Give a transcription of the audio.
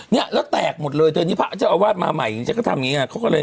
เนี้ยแล้วแตกหมดเลยเธอนี่ผ้าจะเอาวาสมาใหม่ฉันก็ทำงี้อะไรก็เลย